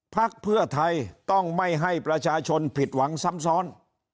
พักเพื่อไทยต้องไม่ให้ประชาชนผิดหวังซ้ำซ้อน